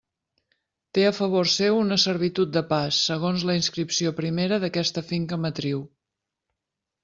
Té a favor seu una servitud de pas segons la inscripció primera d'aquesta finca matriu.